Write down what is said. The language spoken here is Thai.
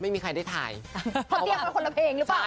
ไม่มีใครได้ไทยเพราะว่าเครียมกันคลับเพลงหรือเปล่า